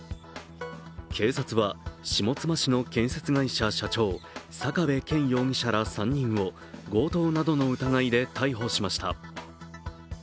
警察は下妻市の建設会社社長、坂部謙容疑者ら３人を強盗などの疑いで逮捕しました。